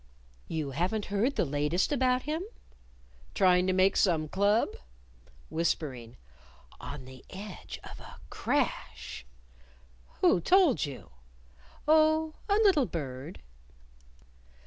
"You haven't heard the latest about him?" "Trying to make some Club?" Whispering "On the edge of a crash." "Who told you?" "Oh, a little bird."